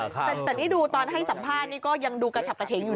แต่นี่ดูตอนให้สัมภาษณ์นี่ก็ยังดูกระฉับกระเฉงอยู่